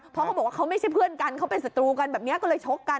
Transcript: เพราะเขาบอกว่าเขาไม่ใช่เพื่อนกันเขาเป็นศัตรูกันแบบนี้ก็เลยชกกัน